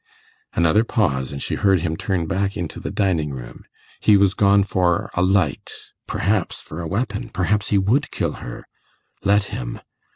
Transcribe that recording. Another pause, and she heard him turn back into the dining room. He was gone for a light perhaps for a weapon. Perhaps he would kill her. Let him.